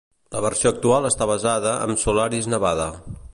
La versió actual està basada amb Solaris Nevada.